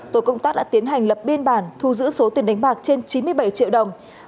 tổ công tác đã tiến hành lập biên bản thu giữ số tiền đánh bạc trên chín mươi bảy triệu đồng